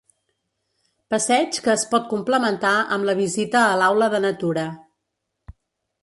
Passeig que es pot complementar amb la visita a l'Aula de Natura.